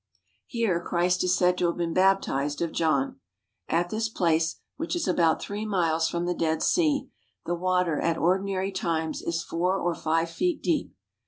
Here Christ is said to have been baptized of John. At this place, which is about three miles from the Dead Sea, the water at ordinary times is four or five feet deep.